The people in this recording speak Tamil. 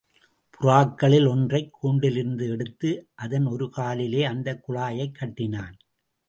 புறாக்களில் ஒன்றைக் கூண்டிலிருந்து எடுத்து, அதன் ஒரு காலிலே அந்தக் குழாயைக் கட்டினான்.